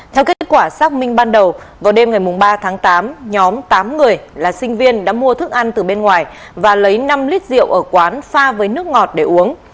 theo kết quả xác minh ban đầu vào đêm ngày ba tháng tám nhóm tám người là sinh viên đã mua thức ăn từ bên ngoài và lấy năm lít rượu ở quán pha với nước ngọt để uống